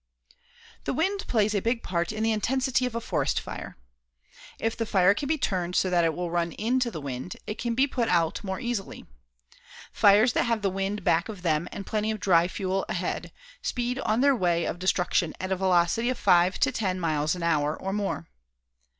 The wind plays a big part in the intensity of a forest fire. If the fire can be turned so that it will run into the wind, it can be put out more easily. Fires that have the wind back of them and plenty of dry fuel ahead, speed on their way of destruction at a velocity of 5 to 10 miles an hour, or more.